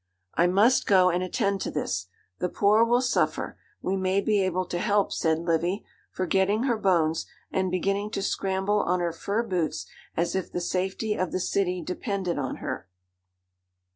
'I must go and attend to this. The poor will suffer; we may be able to help,' said Livy, forgetting her bones, and beginning to scramble on her fur boots as if the safety of the city depended on her.